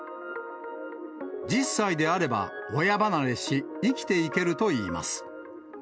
１０歳であれば、親離れし、生きていけるといいます。